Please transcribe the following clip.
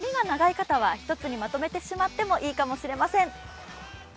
今日は風が強いので、髪が長い方は１つにまとめてしまってもいいかもしれません。